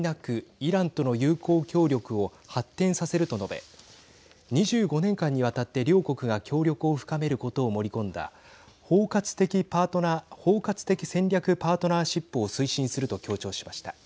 イランとの友好協力を発展させると述べ２５年間にわたって両国が協力を深めることを盛り込んだ包括的戦略パートナーシップを推進すると強調しました。